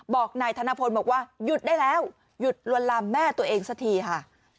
บอกนายธนพลบอกว่าหยุดได้แล้วหยุดลวนลามแม่ตัวเองสักทีค่ะ